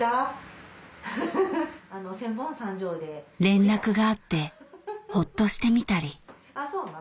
連絡があってホッとしてみたり